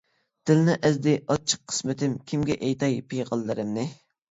دىلنى ئەزدى ئاچچىق قىسمىتىم، كىمگە ئېيتاي پىغانلىرىمنى.